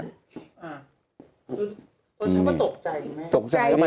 ต้องชอบว่าตกใจหรือไม่